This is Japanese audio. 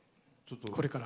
これから。